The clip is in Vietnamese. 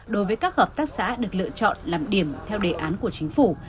đối với các hợp tác xã được lựa chọn làm điểm theo đề án của chính phủ